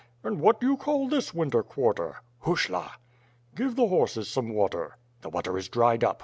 "And what do you call this winter quarter?^' "Hushla." "Give the horses some water." "The water is dried up.